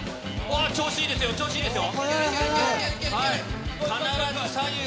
調子いいですよ、調子いいですよ。